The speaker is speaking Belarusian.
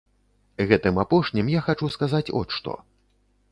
Гэтым апошнім я хачу сказаць от што.